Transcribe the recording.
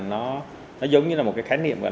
nó giống như là một cái khái niệm